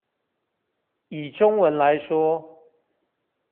以中文來說